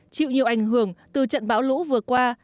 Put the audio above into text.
chịu nhiều ảnh hưởng từ trận bão lũ vừa qua